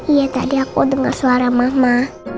iya tadi aku dengar suara mama